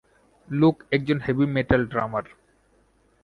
Look একজন heavy metal ড্রামার।